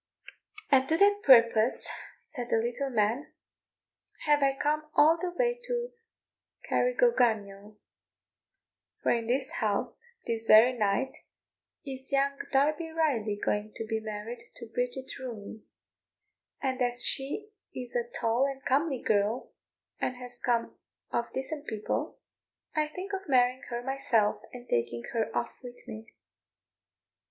"And to that purpose," said the little man, "have I come all the way to Carrigogunniel; for in this house, this very night, is young Darby Riley going to be married to Bridget Rooney; and as she is a tall and comely girl, and has come of decent people, I think of marrying her myself, and taking her off with me."